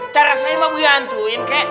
cara saya mah gue bantuin kek